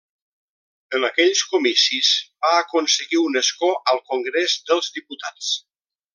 En aquells comicis va aconseguir un escó al Congrés dels diputats.